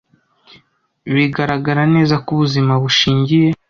bigaragara neza ko ubuzima bushingiye